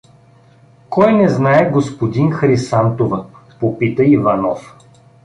— Кой не знае господин Хрисантова? — попита Иванов.